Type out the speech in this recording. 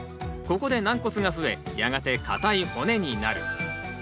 ここで「軟骨」が増えやがて硬い骨になる。